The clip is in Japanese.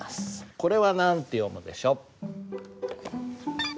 これは何て読むでしょう？